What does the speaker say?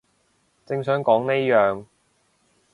正想講呢樣